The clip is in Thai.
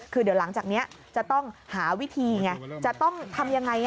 คือเดี๋ยวหลังจากนี้จะต้องหาวิธีไงจะต้องทำยังไง